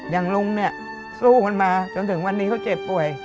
ลุงเนี่ยสู้กันมาจนถึงวันนี้เขาเจ็บป่วย